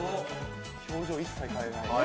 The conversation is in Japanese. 表情は一切変えない。